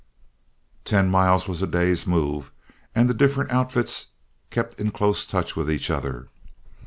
Ten miles was a day's move, and the different outfits kept in close touch with each other.